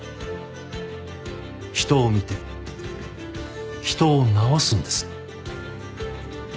人を見て人を治すんです。